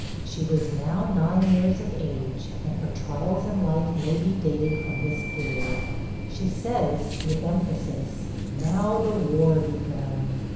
She was now nine years of age, and her trials in life may be dated from this period. She says, with emphasis, 'Now the war begun.